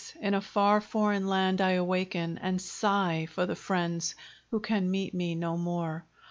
in a far foreign land I awaken, And sigh for the friends who can meet me no more!